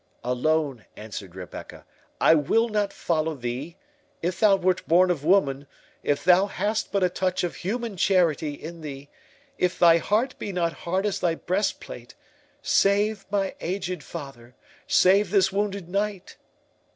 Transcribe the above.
38 "Alone," answered Rebecca, "I will not follow thee. If thou wert born of woman—if thou hast but a touch of human charity in thee—if thy heart be not hard as thy breastplate—save my aged father—save this wounded knight!"